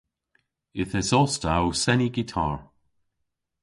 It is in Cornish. Yth esos ta ow seni gitar.